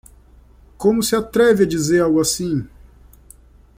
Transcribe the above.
Como se atreve a dizer algo assim?